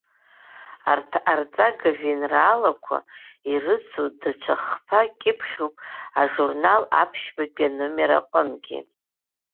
Арҭ арҵага-жәеинраалақәа ирыцу даҽа хԥа кьыԥхьуп ажурнал аԥшьбатәи аномер аҟынгьы.